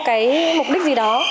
phải có một cái mục đích gì đó